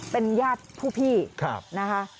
เป็นญาติผู้พี่นะคะ